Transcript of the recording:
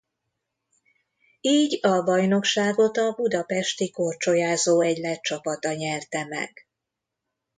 Így a bajnokságot a Budapesti Korcsolyázó Egylet csapata nyerte meg.